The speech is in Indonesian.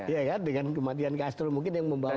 ya kan dengan kematian castro mungkin yang membawa